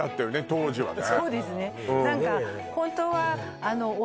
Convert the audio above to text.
当時はね